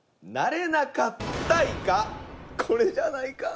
これじゃないか？